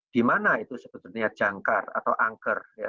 di mana itu sebetulnya jangkar atau angker